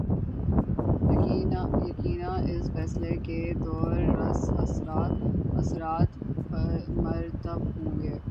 یقینااس فیصلے کے دور رس اثرات اثرات مرتب ہو ں گے۔